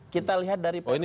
kita lihat dari permennya